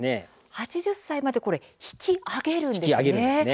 ８０歳まで引き上げるんですね。